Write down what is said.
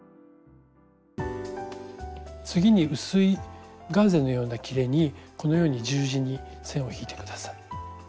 次に薄いガーゼのようなきれにこのように十字に線を引いて下さい。